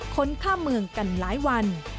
คนข้ามเมืองกันหลายวัน